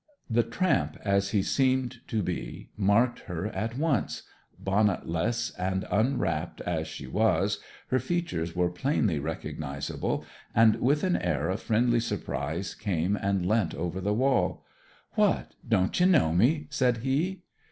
The tramp, as he seemed to be, marked her at once bonnetless and unwrapped as she was her features were plainly recognizable and with an air of friendly surprise came and leant over the wall. 'What! don't you know me?' said he.